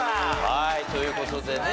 はいという事でね